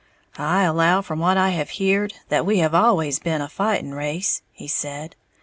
"I allow from what I have heared that we have always been a fighting race," he said.